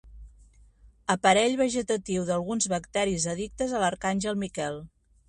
Aparell vegetatiu d'alguns bacteris addictes a l'arcàngel Miquel.